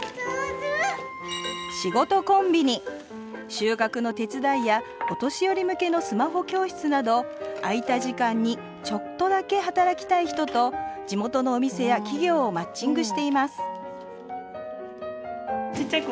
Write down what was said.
収穫の手伝いやお年寄り向けのスマホ教室など空いた時間にちょっとだけ働きたい人と地元のお店や企業をマッチングしています